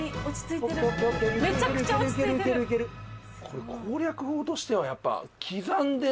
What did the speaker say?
これ攻略法としてはやっぱ刻んで。